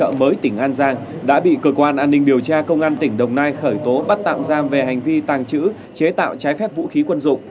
cơ quan an ninh điều tra công an tỉnh đồng nai đã bị cơ quan an ninh điều tra công an tỉnh đồng nai khởi tố bắt tạm giam về hành vi tàng trữ chế tạo trái phép vũ khí quân dụng